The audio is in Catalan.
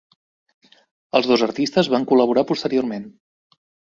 Els dos artistes van col·laborar posteriorment.